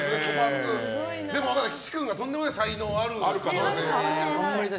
でも、岸君がとんでもない才能がある可能性が。